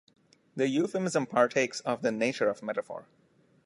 The euphemism partakes of the nature of metaphor.